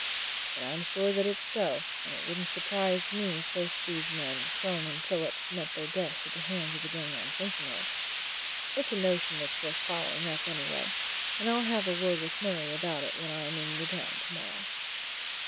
But I'm sure that it is so, and it wouldn't surprise me if both these men, Crone and Phillips, met their deaths at the hands of the gang I'm thinking of. It's a notion that's worth following up, anyway, and I'll have a word with Murray about it when I'm in the town tomorrow."